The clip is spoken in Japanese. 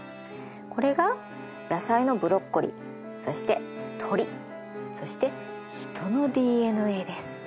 これが野菜のブロッコリーそして鶏そしてヒトのＤＮＡです。